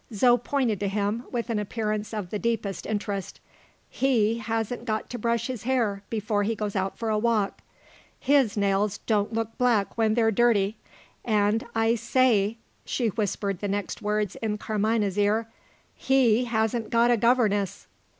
Zo pointed to him, with an appearance of the deepest interest. "He hasn't got to brush his hair, before he goes out for a walk; his nails don't took black when they're dirty. And, I say!" (she whispered the next words in Carmina's ear) "he hasn't got a governess."